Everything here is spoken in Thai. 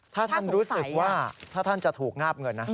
ถ้าท่านรู้สึกว่าถ้าท่านจะถูกงาบเงินนะ